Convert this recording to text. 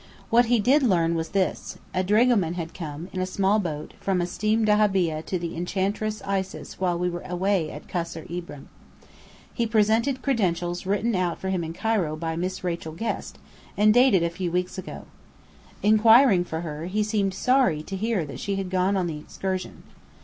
What he did learn was this: a dragoman had come, in a small boat, from a steam dahabeah to the Enchantress Isis while we were away at Kasr Ibrim. He presented credentials written out for him in Cairo by Miss Rachel Guest, and dated a few weeks ago. Inquiring for her, he seemed sorry to hear that she had gone on the excursion.